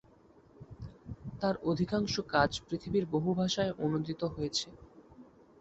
তার অধিকাংশ কাজ পৃথিবীর বহুভাষায় অনূদিত হয়েছে।